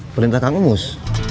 perintah kang emus